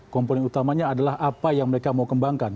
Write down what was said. komponen utamanya adalah apa yang mereka mau kembangkan